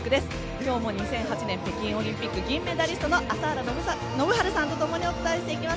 今日も２００８年北京オリンピック銀メダリストの朝原宣治さんと共にお伝えしていきます。